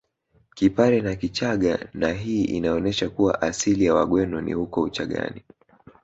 Kipare na Kichaga na hii inaonesha kuwa asili ya Wagweno ni huko Uchagani